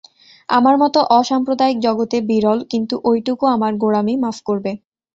আমার মত অসাম্প্রদায়িক জগতে বিরল, কিন্তু ঐটুকু আমার গোঁড়ামি, মাফ করবে।